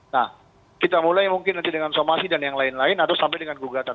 nah kita mulai mungkin nanti dengan somasi dan yang lain lain atau sampai dengan gugatan